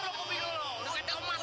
wah kenyal lo kopi lo